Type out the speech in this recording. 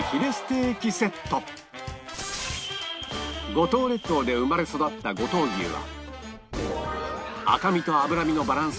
五島列島で生まれ育った五島牛は